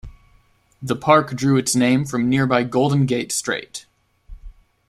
The park drew its name from nearby Golden Gate Strait.